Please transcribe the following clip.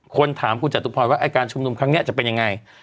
คนถามคุณจัดตุพรณว่าแอดการชุมนมครั้งนี้จะเป็นอย่างไร